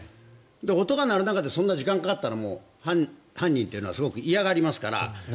音が鳴る中ですごい時間がかかるのも犯人というのはすごく嫌がりますから。